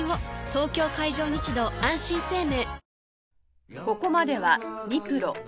東京海上日動あんしん生命